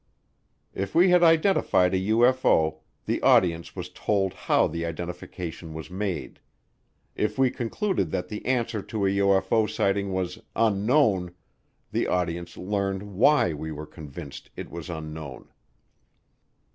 If we had identified a UFO, the audience was told how the identification was made. If we concluded that the answer to a UFO sighting was "Unknown," the audience learned why we were convinced it was unknown.